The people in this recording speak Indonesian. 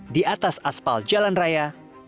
di atas aspal jalan raya